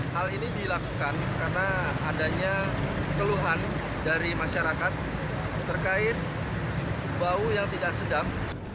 hal ini dilakukan karena adanya keluhan dari masyarakat terkait bau yang tidak sedap